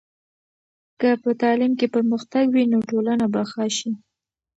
که په تعلیم کې پرمختګ وي، نو ټولنه به ښه شي.